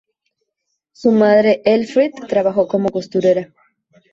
Su madre, Elfriede, trabajó como costurera.